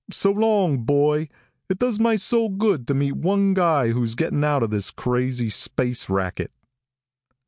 "So long, boy. It does my soul good to meet one guy who's getting out of this crazy space racket."